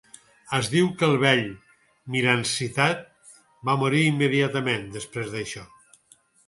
Es diu que el vell Mihransitad va morir immediatament després d'això.